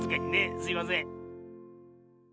すいません。